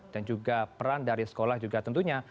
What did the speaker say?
dan juga peran dari sekolah juga tentunya